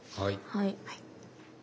はい。